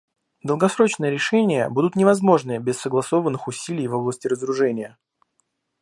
Долгосрочные решения будут невозможны без согласованных усилий в области разоружения.